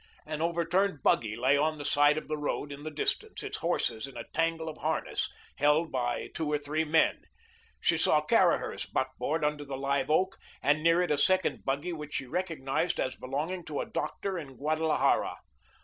An overturned buggy lay on the side of the road in the distance, its horses in a tangle of harness, held by two or three men. She saw Caraher's buckboard under the live oak and near it a second buggy which she recognised as belonging to a doctor in Guadalajara.